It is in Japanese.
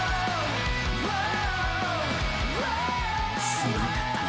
すまんかったな